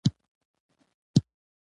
پر ځنګله یې کړل خپاره خپل وزرونه